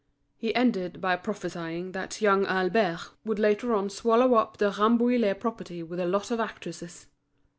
He ended by prophesying that young Albert would later on swallow up the Rambouillet property with a lot of actresses.